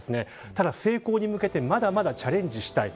ただ成功に向けてまだまだチャレンジしたい。